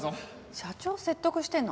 社長を説得してんの？